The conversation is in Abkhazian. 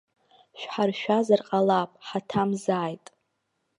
Шәҳаршәазар ҟалап, ҳаҭамзааит?!